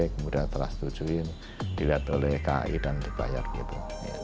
kemudian telah setujuin dilihat oleh kai dan dibayar gitu